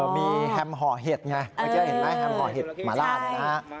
มีแฮมห่อเห็ดไงเมื่อกี้เห็นไหมแฮมห่อเห็ดหมาล่าเนี่ยนะฮะ